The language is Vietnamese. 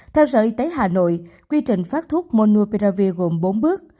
theo sở y tế hà nội quy trình phát thuốc monopiravir gồm bốn bước